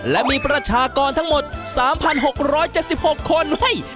และมีประชากรทั้งหมด๓๖๗๖คน